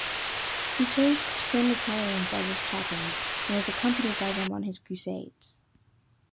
He chose Trinitarians as his chaplains, and was accompanied by them on his crusades.